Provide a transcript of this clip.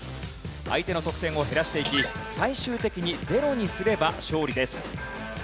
相手の得点を減らしていき最終的にゼロにすれば勝利です。